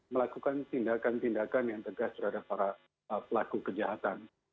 melakukan tindakan tindakan yang tegas terhadap para pelaku kejahatan